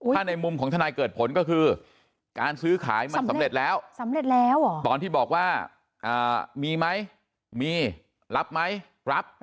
ถ้าในมุมของทนายเกิดคือการซื้อขายมันสำเร็จแล้วตอนที่บอกว่ามีไหมมีรับไหมรับ